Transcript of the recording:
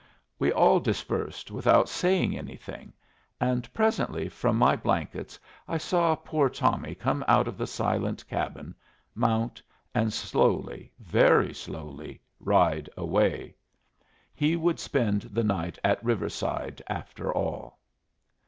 We all dispersed without saying anything, and presently from my blankets I saw poor Tommy come out of the silent cabin, mount, and slowly, very slowly, ride away. He would spend the night at Riverside, after all.